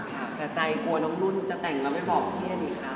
แต่ใจกลัวทุกน้องรุ่นจะแต่งแล้วไม่บอกเหี้ยได้ไหมคะ